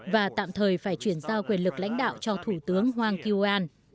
và tạm thời phải chuyển giao quyền lực lãnh đạo cho thủ tướng hwang kyo an